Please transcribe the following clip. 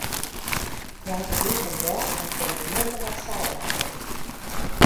Jout de wyn him del, dan kin de mûnder wat seil bylizze.